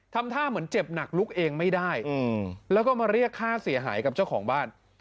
ทำท่าเหมือนเจ็บหนักลุกเองไม่ได้แล้วก็มาเรียกค่าเสียหายกับเจ้าของบ้าน